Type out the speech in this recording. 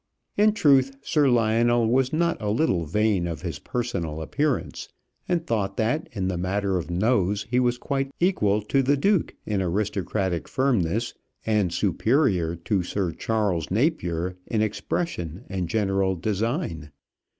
In truth, Sir Lionel was not a little vain of his personal appearance, and thought that in the matter of nose, he was quite equal to the Duke in aristocratic firmness, and superior to Sir Charles Napier in expression and general design.